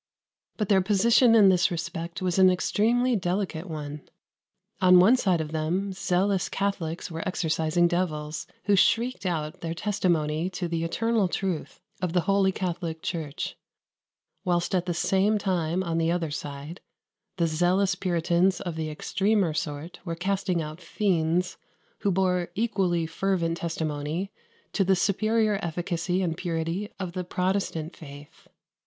But their position in this respect was an extremely delicate one. On one side of them zealous Catholics were exorcising devils, who shrieked out their testimony to the eternal truth of the Holy Catholic Church; whilst at the same time, on the other side, the zealous Puritans of the extremer sort were casting out fiends, who bore equally fervent testimony to the superior efficacy and purity of the Protestant faith.